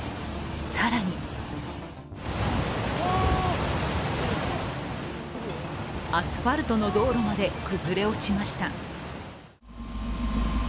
更にアスファルトの道路まで崩れ落ちました。